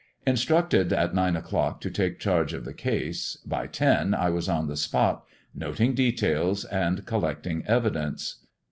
Instructed at nine o'clock to take charge of the caae, ly ten I was on the spot noting details and collecting evidence.